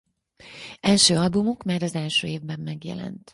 Első albumuk már az első évben megjelent.